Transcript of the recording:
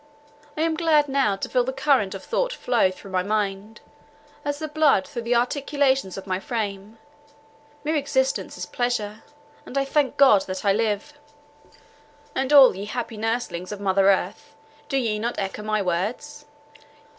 I am glad now to feel the current of thought flow through my mind, as the blood through the articulations of my frame; mere existence is pleasure; and I thank God that I live! "And all ye happy nurslings of mother earth, do ye not echo my words?